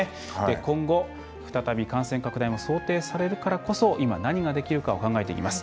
今後、再び感染拡大も想定されるからこそ、今何ができるかを考えていきます。